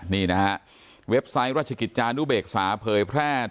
นี่นะฮะเว็บไซต์ราชกิจจานุเบกษาเผยแพร่